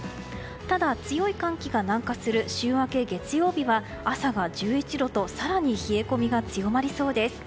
ただ、強い寒気が南下する週明け月曜日は朝が１１度と更に冷え込みが強まりそうです。